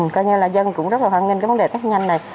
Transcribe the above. coi như là dân cũng rất là hoan nghênh cái vấn đề phát nhanh này